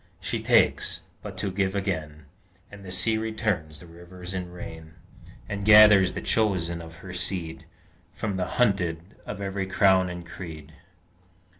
She takes, but to give again, As the sea returns the rivers in rain; And gathers the chosen of her seed From the hunted of every crown and creed.